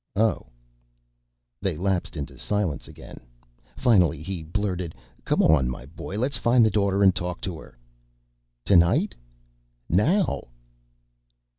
"Oh." They lapsed into silence again. Finally he blurted, "Come on, my boy, let's find the daughter and talk to her." "Tonight?" "Now."